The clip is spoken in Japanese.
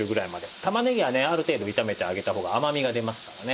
玉ねぎはねある程度炒めてあげた方が甘みが出ますからね。